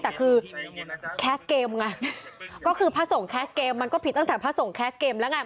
แต่คือแคสเกมไงก็คือพระส่งแคสเกมมันก็ผิดตั้งแต่พระส่งแคสเกมแล้วไง